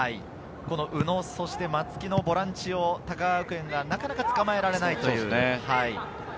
宇野、松木のボランチを高川学園がなかなかつかまえられないという。